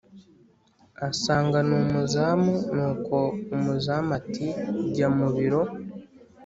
asanga ni umuzamu nuko umuzamu ati”jya mubiro